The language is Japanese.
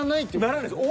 ならないです。